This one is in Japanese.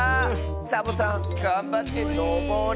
サボさんがんばってのぼれ。